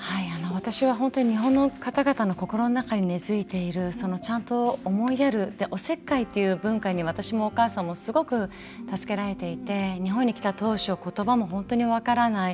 私は本当に日本の方々の心の中に根づいているちゃんと思いやるおせっかいっていう文化に私もお母さんもすごく助けられていて日本に来た当初言葉も本当に分からない。